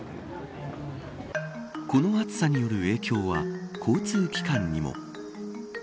この暑さによる影響は交通機関にも。